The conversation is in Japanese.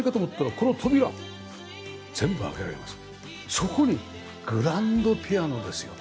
そこにグランドピアノですよ。